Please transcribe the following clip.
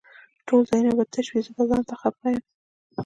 ټول ځايونه به تش وي زه به ځانته خپه يم